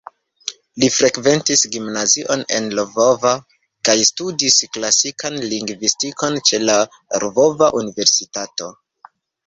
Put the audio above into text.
Li frekventis gimnazion en Lvovo kaj studis klasikan lingvistikon ĉe la Lvova Universitato.